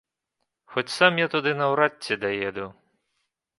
Хоць сам я туды наўрад ці даеду.